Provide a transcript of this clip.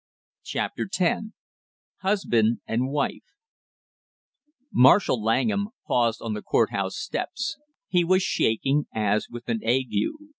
CHAPTER TEN HUSBAND AND WIFE Marshall Langham paused on the court house steps; he was shaking as with an ague.